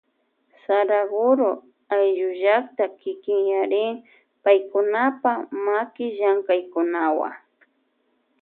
Saraguro ayllu llakta kikinyarin paypakunapa makillamkaykunawa.